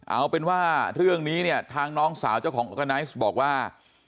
เอาเป็นว่าเรื่องนี้เนี่ยทางน้องสาวเจ้าของออร์กาไนซ์บอกว่า